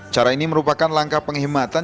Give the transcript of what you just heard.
cara ini merupakan langkah penghematan